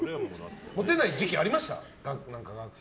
モテない時期ありました？